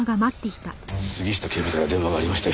杉下警部から電話がありまして。